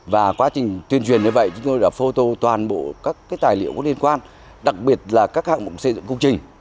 và quá trình tuyên truyền như vậy chúng tôi đã phô tô toàn bộ các tài liệu có liên quan đặc biệt là các hạng mục xây dựng công trình